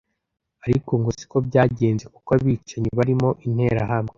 ariko ngo si ko byagenze kuko abicanyi barimo interahamwe